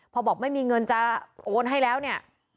พอบอกไม่มีเงินจะโอนให้แล้วเนี่ย